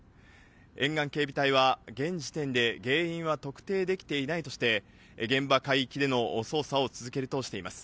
沿岸警備隊は現時点で、原因は特定できていないとして、現場海域での捜査を続けるとしています。